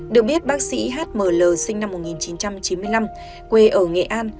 được biết bác sĩ h m l sinh năm một nghìn chín trăm chín mươi năm quê ở nghệ an